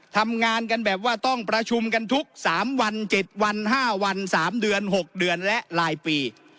ทำงานกันแบบว่าต้องประชุมกันทุก๓วัน๗วัน๕วัน๓เดือน๖เดือนและรายปี